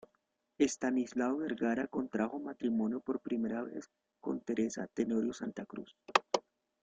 Estanislao Vergara contrajo matrimonio por primera vez con Teresa Tenorio Santacruz.